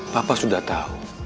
papa sudah tahu